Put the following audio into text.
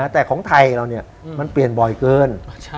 แต่ของไทยเรามันเปลี่ยนบ่อยเกิน